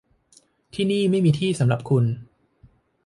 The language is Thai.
ที่นี่ไม่มีที่สำหรับคุณ